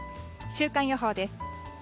週間予報です。